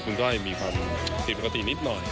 คุณก้อยมีความผิดปกตินิดหน่อย